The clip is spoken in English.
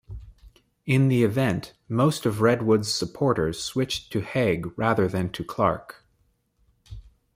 In the event, most of Redwood's supporters switched to Hague rather than to Clarke.